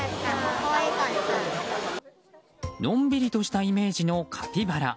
のんびりとしたイメージのカピバラ。